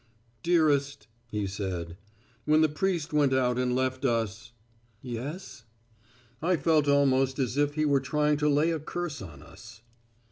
"Dearest," he said, "when the priest went out and left us " "Yes." "I felt almost as if he were trying to lay a curse on us."